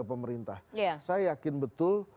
pemerintah saya yakin betul